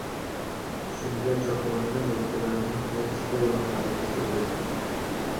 Shunda, choponi yoqalarini ohista yonlariga surdi.